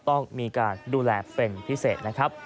ต้องมีการดูแลเป็นพิเศษนะครับ